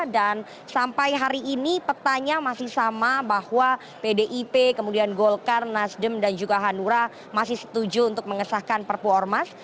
dan sampai hari ini petanya masih sama bahwa pdip kemudian golkar nasdem dan juga hanura masih setuju untuk mengesahkan perpu ormas